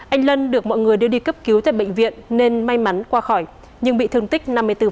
anh lân được mọi người đưa đi cấp cứu tại bệnh viện nên may mắn qua khỏi nhưng bị thương tích năm mươi bốn